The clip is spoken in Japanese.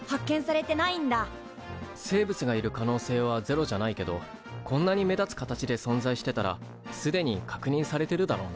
生物がいる可能性はゼロじゃないけどこんなに目立つ形で存在してたらすでに確認されてるだろうな。